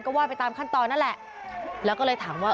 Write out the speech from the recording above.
ก็ว่าไปตามขั้นตอนนั่นแหละแล้วก็เลยถามว่า